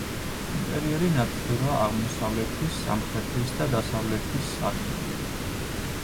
ინტერიერი ნათდება აღმოსავლეთის, სამხრეთის და დასავლეთის სარკმლებით.